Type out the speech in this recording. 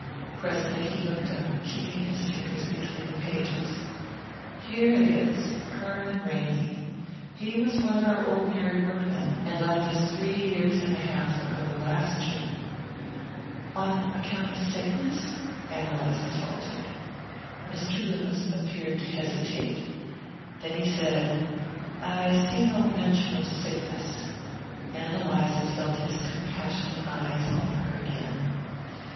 Presently he looked up, keeping his finger between the pages. "Here it is Herman Ramy. He was one of our ordinary workmen, and left us three years and a half ago last June." "On account of sickness?" Ann Eliza faltered. Mr. Loomis appeared to hesitate; then he said: "I see no mention of sickness." Ann Eliza felt his compassionate eyes on her again.